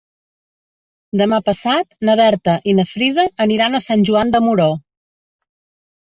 Demà passat na Berta i na Frida aniran a Sant Joan de Moró.